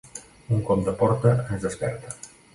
Un cop de porta ens desperta.